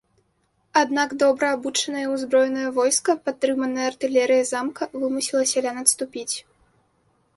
Аднак добра абучанае і ўзброенае войска, падтрыманае артылерыяй замка, вымусіла сялян адступіць.